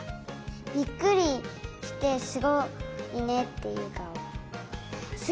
ビックリして「すごいね」っていうかお。